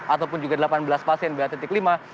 ataupun juga delapan belas pasien ba lima